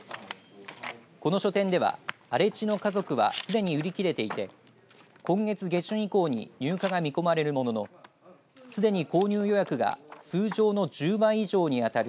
この書店では荒地の家族はすでに売り切れていて今月下旬以降に入荷が見込まれるもののすでに購入予約が通常の１０倍以上に当たる